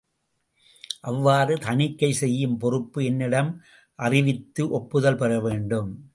அவ்வாறு தணிக்கை செய்யும் பொறுப்பு என்னிடம் அறிவித்து ஒப்புதல் பெறவேண்டும்.